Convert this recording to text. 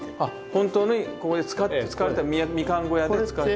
本当にここで使われてたみかん小屋で使われた。